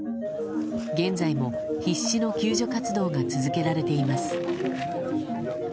現在も必死の救助活動が続けられています。